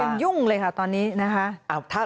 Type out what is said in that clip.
ถ่ายกันยุ่งเลยค่ะตอนนี้นะคะ